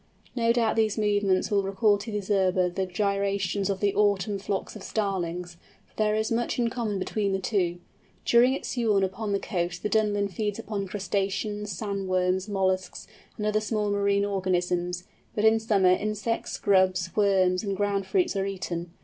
No doubt these movements will recall to the observer the gyrations of the autumn flocks of Starlings, for there is much in common between the two. During its sojourn upon the coast the Dunlin feeds upon crustaceans, sand worms, molluscs, and other small marine organisms; but in summer insects, grubs, worms, and ground fruits are eaten.